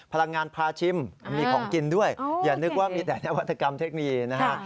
พลังงานพาชิมมีของกินด้วยอย่านึกว่ามีแต่นวัตกรรมเทคโนโลยีนะฮะ